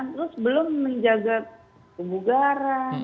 terus belum menjaga tubuh garam